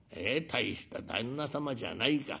大した旦那様じゃないか。